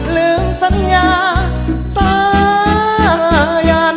ลืมสัญญาสายัน